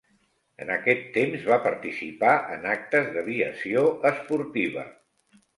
En aquest temps va participar en actes d'aviació esportiva.